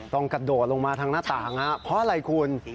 กระโดดลงมาทางหน้าต่างเพราะอะไรคุณ